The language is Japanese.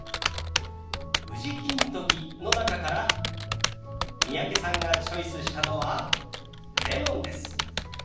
宇治金時の中から三宅さんがチョイスしたのはレモンです。